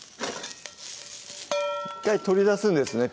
１回取り出すんですね